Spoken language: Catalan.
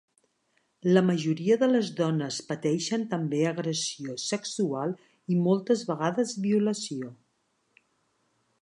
La majoria de les dones pateixen també agressió sexual i moltes vegades violació.